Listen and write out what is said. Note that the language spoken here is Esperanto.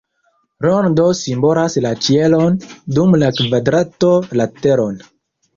Rondo simbolas la ĉielon, dum la kvadrato la teron.